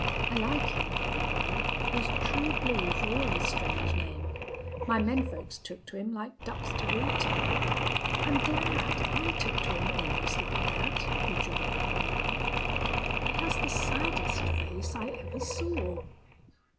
I like him, Columbine. He's true blue, for all his strange name. My men folks took to him like ducks to water." "I'm glad. I took to him almost like that," rejoined Columbine. "He has the saddest face I ever saw."